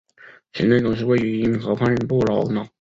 行政中心位于因河畔布劳瑙。